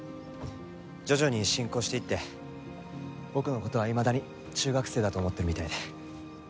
徐々に進行していって僕の事はいまだに中学生だと思ってるみたいで。